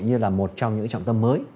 như là một trong những trọng tâm mới